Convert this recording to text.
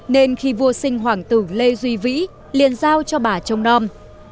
nên khi vua sinh hoàng tử lê duy vĩ liền giao cho bà trông đom